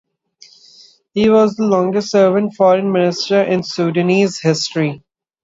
He was the longest-serving foreign minister in Sudanese history.